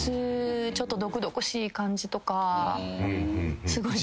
ちょっと毒々しい感じとか。